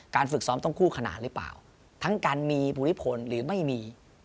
ฝึกซ้อมต้องคู่ขนาดหรือเปล่าทั้งการมีภูมิพลหรือไม่มี